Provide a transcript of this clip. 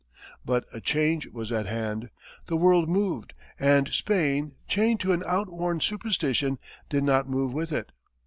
But a change was at hand. The world moved, and Spain, chained to an outworn superstition, did not move with it.